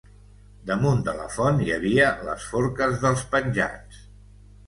Damunt de la font hi havia les forques dels penjats.